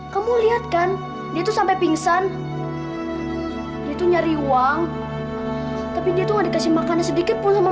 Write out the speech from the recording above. kamu lihat kan itu sampai pingsan itu nyari uang tapi dia tuh ada kasih makanan sedikit pun sama